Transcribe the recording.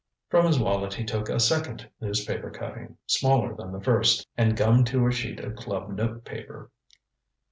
ŌĆØ From his wallet he took a second newspaper cutting, smaller than the first, and gummed to a sheet of club notepaper.